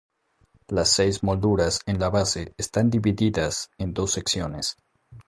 Las seis molduras en la base están divididas en dos secciones.